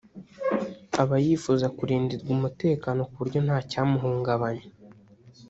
aba yifuza kurindirwa umutekano ku buryo ntacyamuhungabanya